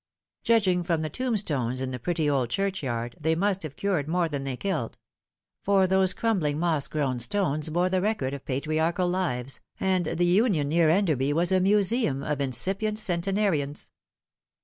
Judging from the tombstones in the pretty old churchyard, they must have cured more than they killed ; for those crumbling moss grown stones bore the record of patri archal lives, and the union near Enderby was a museum of inci pient centenarians.